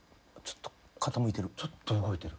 ・傾いてる。